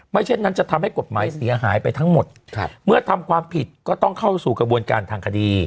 เช่นนั้นจะทำให้กฎหมายเสียหายไปทั้งหมดเมื่อทำความผิดก็ต้องเข้าสู่กระบวนการทางคดี